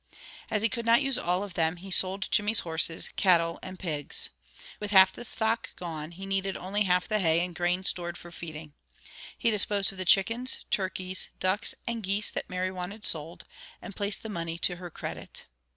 As he could not use all of them he sold Jimmy's horses, cattle and pigs. With half the stock gone he needed only half the hay and grain stored for feeding. He disposed of the chickens, turkeys, ducks, and geese that Mary wanted sold, and placed the money to her credit.